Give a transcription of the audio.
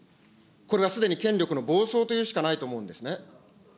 これはすでに権力の暴走というしかないと思うんですね。